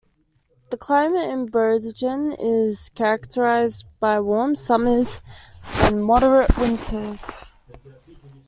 The climate in Brogden is characterized by warm summers and moderate winters.